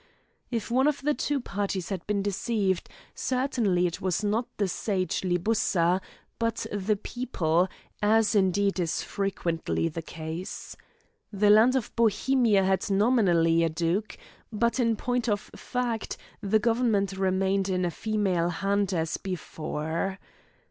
If one of the two parties had been deceived, certainly it was not the sage Libussa, but the people, as indeed is frequently the case. The land of Bohemia had nominally a duke, but in point of fact the government remained in a female hand as before.